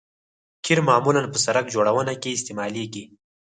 قیر معمولاً په سرک جوړونه کې استعمالیږي